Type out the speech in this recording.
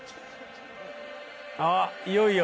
あっいよいよ。